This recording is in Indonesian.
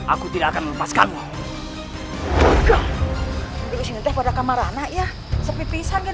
aku tidak akan melepaskanmu